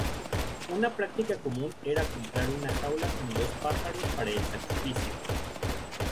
Una práctica común era comprar una jaula con dos pájaros para el sacrificio.